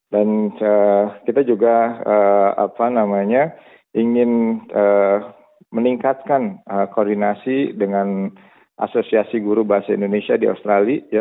dan kita juga ingin meningkatkan koordinasi dengan asosiasi guru bahasa indonesia di australia